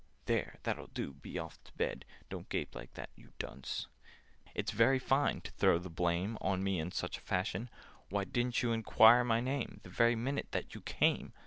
"There, that'll do—be off to bed! Don't gape like that, you dunce!" "It's very fine to throw the blame On me in such a fashion! Why didn't you enquire my name The very minute that you came?"